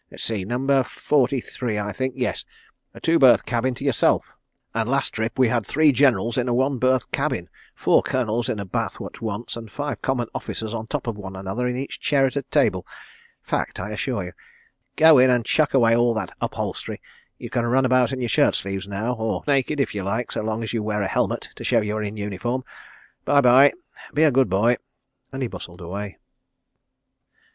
"Let's see, Number 43, I think. Yes. A two berth cabin to yourself—and last trip we had three generals in a one berth cabin, four colonels in a bath at once, and five common officers on top of one another in each chair at table. ... Fact—I assure you. ... Go in and chuck away all that upholstery—you can run about in your shirt sleeves now, or naked if you like, so long as you wear a helmet to show you are in uniform. ... Bye bye—be a good boy," and he bustled away.